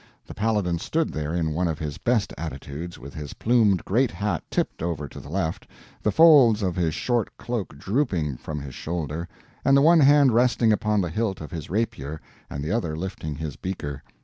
The Paladin stood there in one of his best attitudes, with his plumed great hat tipped over to the left, the folds of his short cloak drooping from his shoulder, and the one hand resting upon the hilt of his rapier and the other lifting his beaker.